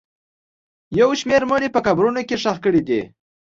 یو شمېر مړي په قبرونو کې ښخ کړي دي